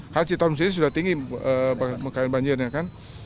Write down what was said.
karena citarum sendiri sudah tinggi mengkain banjirnya kan